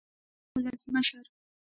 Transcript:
چې د امریکا ولسمشر